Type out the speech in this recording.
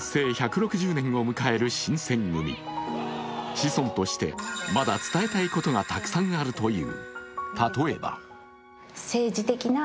子孫としてまだ伝えたいことがたくさんあるという。